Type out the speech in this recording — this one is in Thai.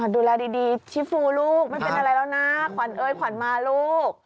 ดูแลดีชิฟูลูกไม่เป็นอะไรแล้วนะขวัญเอ้ยขวัญมาลูก